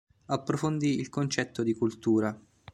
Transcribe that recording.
Approfondì il concetto di cultura.